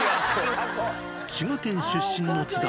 滋賀県出身の津田。